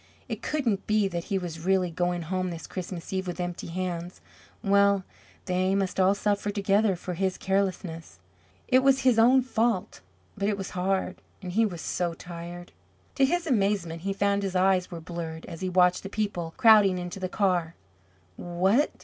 It couldn't be that he was really going home this Christmas Eve with empty hands. Well, they must all suffer together for his carelessness. It was his own fault, but it was hard. And he was so tired! To his amazement he found his eyes were blurred as he watched the people crowding into the car. What?